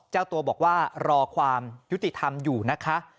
เจ้าตัวบอกว่ารอความยุติธรรมอยู่นะคะ